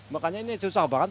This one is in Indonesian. makanya ini susah banget